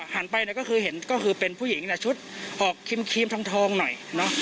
หันไปก็คือเป็นผู้หญิงชุดออกครีมทองหน่อย